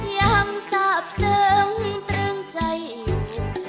ยังทราบเติมเติมใจอยู่